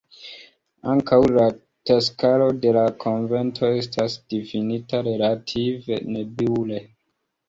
Ankaŭ la taskaro de la konvento estas difinita relative nebule.